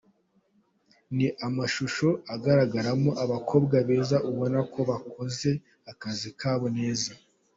Ni amashusho agaragaramo abakobwa beza ubona ko bakoze akazi kabo neza.